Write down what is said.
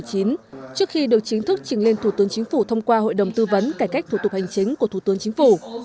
trước khi được chính thức trình lên thủ tướng chính phủ thông qua hội đồng tư vấn cải cách thủ tục hành chính của thủ tướng chính phủ